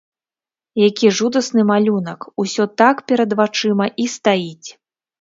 Які жудасны малюнак, усё так перад вачыма і стаіць!